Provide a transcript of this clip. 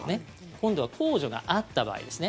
今度は控除があった場合ですね。